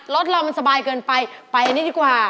รถเรามันสบายเกินไปไปนี่ดีกว่า